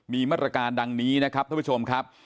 มีมาตรการดังนี้นะครับท่านผู้ชมครับ